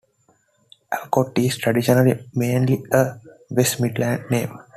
Alcott is traditionally mainly a West Midlands name.